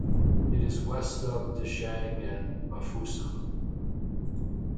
It is West of Dschang and Bafoussam.